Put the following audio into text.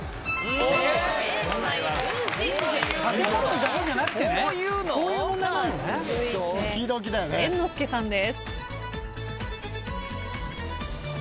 続いて猿之助さんです。